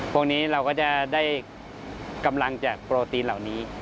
พวกนี้เราก็จะได้กำลังจากโปรตีนเหล่านี้